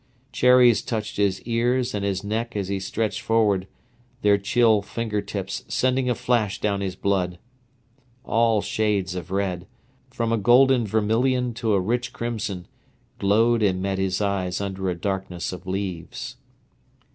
Cherries touched his ears and his neck as he stretched forward, their chill finger tips sending a flash down his blood. All shades of red, from a golden vermilion to a rich crimson, glowed and met his eyes under a darkness of leaves.